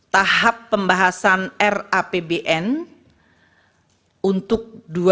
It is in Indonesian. tahap pembahasan rapbn untuk dua ribu dua puluh